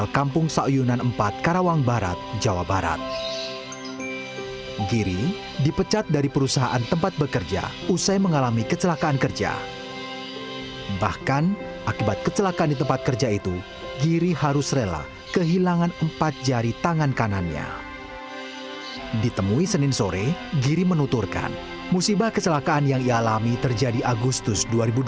keselakaan yang ia alami terjadi agustus dua ribu dua puluh